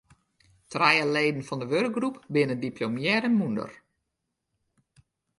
Trije leden fan de wurkgroep binne diplomearre mûnder.